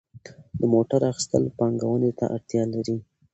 د موټر اخیستل پانګونې ته اړتیا لري.